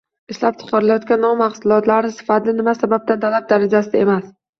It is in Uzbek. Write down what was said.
Ishlab chiqarilayotgan non mahsulotlari sifati nima sababdan talab darajasida emas?